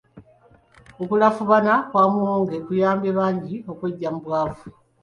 Okulafuubana kwa Muwonge kuyambye bangi okweggya mu bwavu.